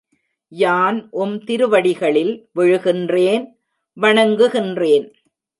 யான் உம் திருவடிகளில் விழுகின்றேன் வணங்குகின்றேன்.